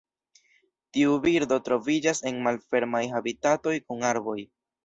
Tiu birdo troviĝas en malfermaj habitatoj kun arboj.